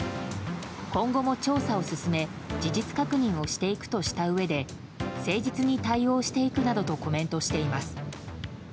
今後も調査を進め事実確認をしていくとしたうえで誠実に対応していくなどとコメントしています。